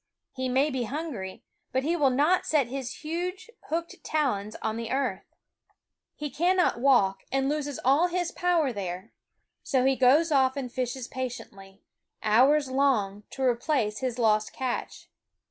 He may be hungry, but he will not set his huge hooked talons on the earth. 9 SCHOOL Of He cannot walk, and loses all his power Ismaciues there So he S oes off and fishes patiently, the fishhawk hours long, to replace his lost catch.